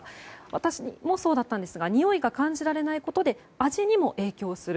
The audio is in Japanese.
私もそうだったんですがにおいが感じられないことで味にも影響する。